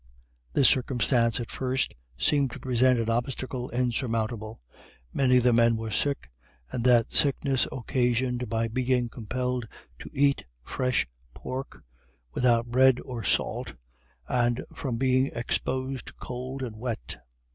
This circumstance at first seemed to present an obstacle insurmountable; many of the men were sick, and that sickness occasioned by being compelled to eat fresh pork without bread or salt, and from being exposed to cold and wet.